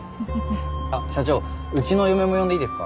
あっ社長うちの嫁も呼んでいいですか？